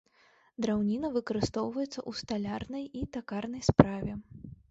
Драўніна выкарыстоўваецца ў сталярнай і такарнай справе.